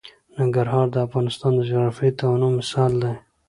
ننګرهار د افغانستان د جغرافیوي تنوع مثال دی.